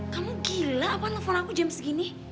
kamu gila apa nelfon aku jam segini